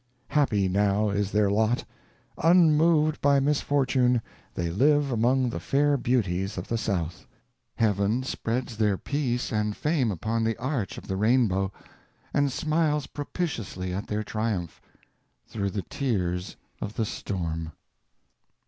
Happy now is their lot! Unmoved by misfortune, they live among the fair beauties of the South. Heaven spreads their peace and fame upon the arch of the rainbow, and smiles propitiously at their triumph, _through the tears of the storm.